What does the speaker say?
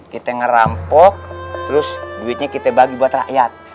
kita ngerampok terus duitnya kita bagi buat rakyat